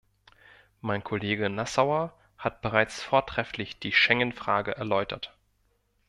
Mein Kollege Nassauer hat bereits vortrefflich die Schengen-Frage erläutert.